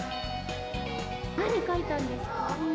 何描いたんですか？